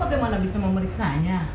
bagaimana bisa memeriksanya